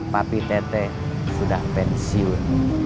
papi teteh sudah pensiun